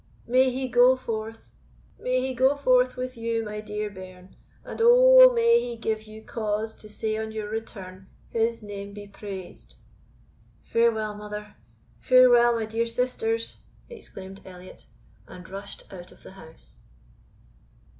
"May He go forth may He go forth with you, my dear bairn; and O, may He give you cause to say on your return, HIS name be praised!" "Farewell, mother! farewell, my dear sisters!" exclaimed Elliot, and rushed out of the house.